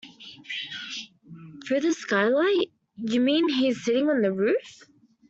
Through the skylight? You mean he's sitting on the roof?